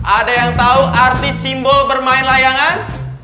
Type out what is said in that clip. ada yang tahu artis simbol bermain layangan